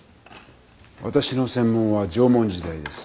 私の専門は縄文時代です。